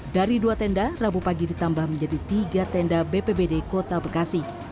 dari dua tenda rabu pagi ditambah menjadi tiga tenda bpbd kota bekasi